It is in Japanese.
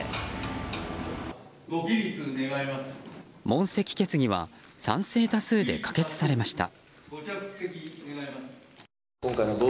問責決議は賛成多数で可決されました。